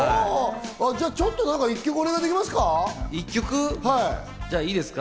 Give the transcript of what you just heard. ちょっと、１曲、お願いできますか？